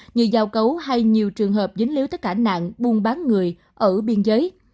như giao cấu hay nhiều trường hợp dính líu tất cả nạn buôn bán người ở biên giới